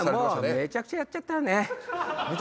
めちゃくちゃやっちゃったよね。